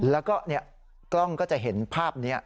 แล้วก็กล้องก็จะเห็นภาพนี้